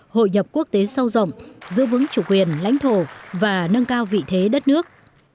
hội nhập quốc tế sâu rộng giữ vững chủ quyền lãnh thổ và nâng cao vị thế đất nước